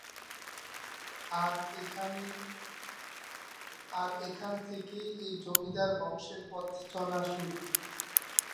আর এখানে থেকেই এই জমিদার বংশের পথচলা শুরু।